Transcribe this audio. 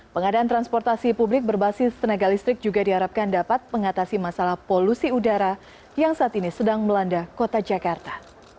pengadaan transportasi publik berbasis tenaga listrik juga diharapkan dapat mengatasi masalah polusi udara yang saat ini sedang melanda kota jakarta